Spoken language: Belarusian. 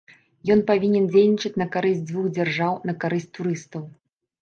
Ён павінен дзейнічаць на карысць дзвюх дзяржаў, на карысць турыстаў.